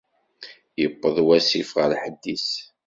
Yewweḍ wasif ɣer lḥedd-is!